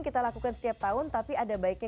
kita lakukan setiap tahun tapi ada baiknya